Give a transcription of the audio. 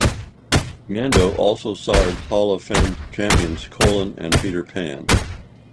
Commando also sired Hall of Fame champions Colin and Peter Pan.